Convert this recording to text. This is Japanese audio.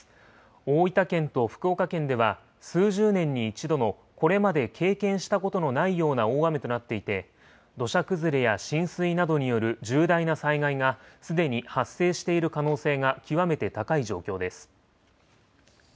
大分県と福岡県では、数十年に１度のこれまで経験したことのないような大雨となっていて、土砂崩れや浸水などによる重大な災害がすでに発生している可能性が極めて高い状況です。